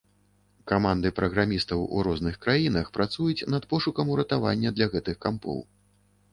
Каманды праграмістаў у розных краінах працуюць над пошукам уратавання для гэтых кампоў.